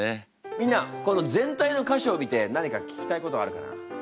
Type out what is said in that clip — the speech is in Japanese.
みんなこの全体の歌詞を見て何か聞きたいことはあるかな？